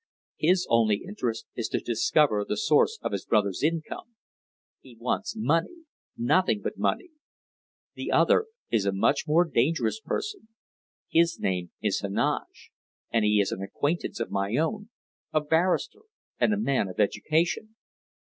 His only interest is to discover the source of his brother's income. He wants money! Nothing but money. The other is a much more dangerous person. His name is Heneage, and he is an acquaintance of my own, a barrister, and a man of education."